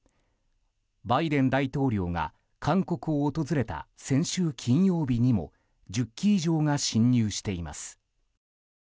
バイデン大統領が韓国を訪れた先週金曜日にも１０機以上が侵入しています。